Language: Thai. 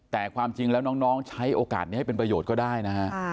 แต่ความจริงแล้วน้องใช้โอกาสนี้ให้เป็นประโยชน์ก็ได้นะฮะ